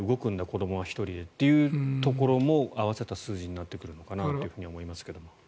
子どもは１人でというところも合わせた数字になってくるのかなと思いますが。